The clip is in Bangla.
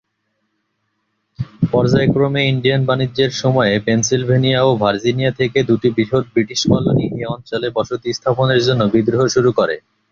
পর্যায়ক্রমে ইন্ডিয়ান বাণিজ্যের সময়ে পেনসিলভেনিয়া ও ভার্জিনিয়া থেকে দু'টি বৃহৎ বৃটিশ কলোনি এ অঞ্চলে বসতি স্থাপনের জন্য বিদ্রোহ শুরু করে।